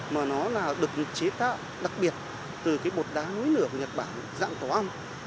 mà nó là được chế tạo đặc biệt từ cái bột đá núi nửa của nhật bản dạng tỏa âm